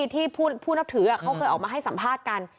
ที่ผู้นับถือเขาเคยออกมาให้สัมภาษณ์กัน